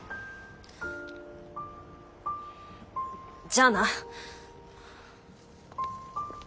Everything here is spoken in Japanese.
じゃあな。